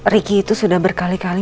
ricky itu sudah berkali kali